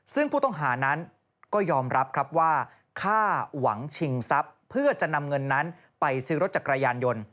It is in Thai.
ซึ่งผู้ต้องหานั้นก็ยอมรับครับว่าฆ่าหวังชิงทรัพย์เพื่อจะนำเงินนั้นไปซื้อรถจักรยานยนต์